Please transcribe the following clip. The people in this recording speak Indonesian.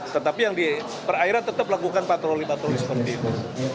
tetapi yang diperairan tetap lakukan patroli patroli seperti itu